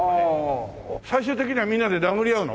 最終的にはみんなで殴り合うの？